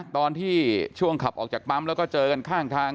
ตอนที่ช่วงขับออกจากปั๊มแล้วก็เจอกันข้างทาง